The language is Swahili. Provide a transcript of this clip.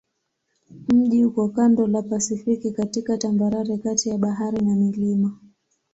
Mji uko kando la Pasifiki katika tambarare kati ya bahari na milima.